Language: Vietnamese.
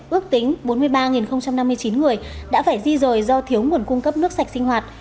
ước tính bốn mươi ba năm mươi chín người đã phải di rời do thiếu nguồn cung cấp nước sạch sinh hoạt